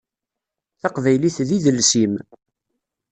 Taqbaylit d idles-im.